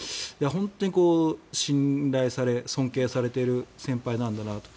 本当に信頼され尊敬されている先輩なんだなと。